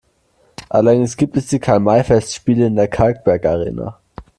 Allerdings gibt es die Karl-May-Festspiele in der Kalkbergarena.